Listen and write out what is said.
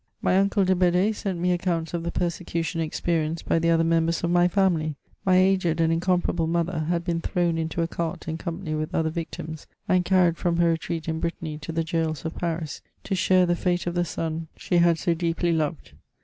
My uncle de Bedee sent me accounts of the persecution ex perienced by the other members of my family. My aged and incomparable mother had been thrown into a cart in company with other victims, and carried from her retreat in Brittany to the gaols of Paris, to share the fate of the son she had so S84 MEMOIRS OF deeply loved.